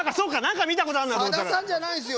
さださんじゃないんですよ。